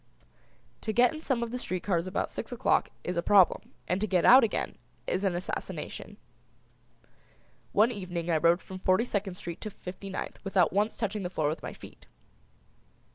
To get in some of the street cars about six o'clock is a problem, and to get out again is an assassination. One evening I rode from Forty second Street to Fifty ninth without once touching the floor with my feet.